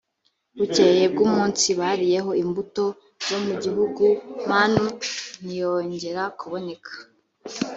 bukeye bw’umunsi bariyeho imbuto zo mu gihugu, manu ntiyongera kuboneka.